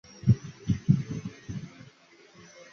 我已经陷入悲哀的轮回